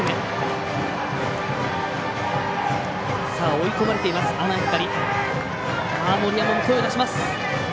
追い込まれています、阿南光。